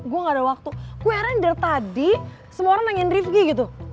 gue gak ada waktu gue render tadi semua orang nangin rifki gitu